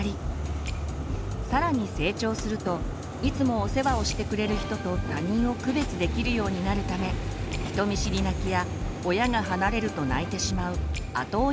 更に成長するといつもお世話をしてくれる人と他人を区別できるようになるため人見知り泣きや親が離れると泣いてしまう後追い泣きも始まります。